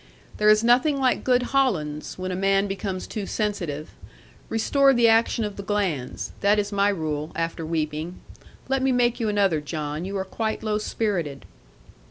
There is nothing like good hollands, when a man becomes too sensitive. Restore the action of the glands; that is my rule, after weeping. Let me make you another, John. You are quite low spirited.'